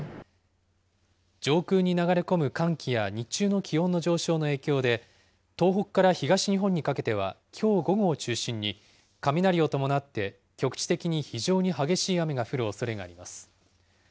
上空に流れ込む寒気や日中の気温の上昇の影響で、東北から東日本にかけては、きょう午後を中心に、雷を伴って局地的に非常に激しい雨が降るおそれがあります。